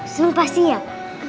semua pas siap